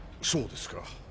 そうですか。